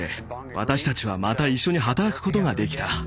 私たちはまた一緒に働くことができた。